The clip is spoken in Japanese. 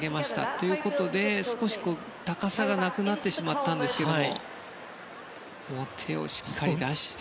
ということで、少し高さがなくなってしまったんですが手をしっかり出して。